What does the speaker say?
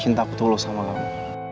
cinta aku tulus sama kamu